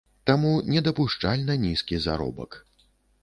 Таму недапушчальна нізкі заробак.